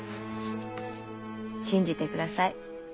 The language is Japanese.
信じてください。